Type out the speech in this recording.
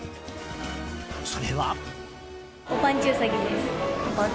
それは。